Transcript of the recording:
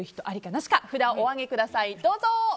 なし？か札をお上げください。